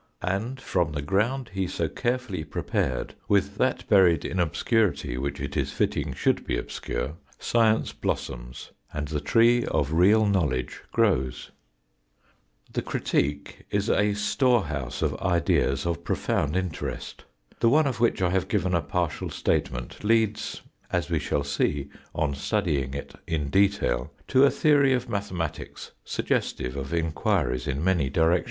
And from the ground he so carefully prepared with that buried in obscurity, which it is fitting should be obscure, science blossoms and the tree of real knowledge grows. The critique is a storehouse of ideas of profound interest. The one of which I have given a partial statement leads, as we shall see on studying it in detail, to a theory of mathematics suggestive of enquiries in many direptjon?.